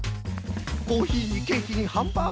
コーヒーにケーキにハンバーガー